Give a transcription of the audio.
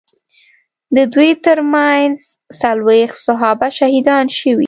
د دوی ترڅنګ څلوېښت صحابه شهیدان شوي.